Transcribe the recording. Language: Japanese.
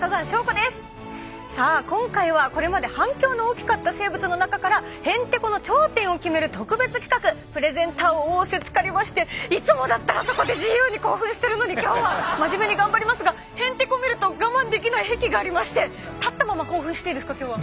さあ今回はこれまで反響の大きかった生物の中からへんてこの頂点を決める特別企画プレゼンターを仰せつかりましていつもだったらあそこで自由に興奮してるのに今日は真面目に頑張りますがへんてこ見ると我慢できない癖がありまして立ったまま興奮していいですか今日は。